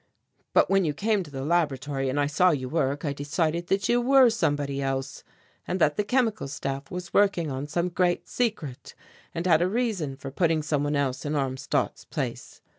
But when you came to the laboratory and I saw you work, I decided that you were somebody else and that the Chemical Staff was working on some great secret and had a reason for putting some one else in Armstadt's place.